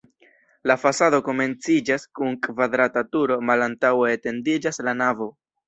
La fasado komenciĝas kun kvadrata turo, malantaŭe etendiĝas la navo.